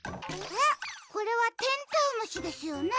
えっこれはテントウムシですよね。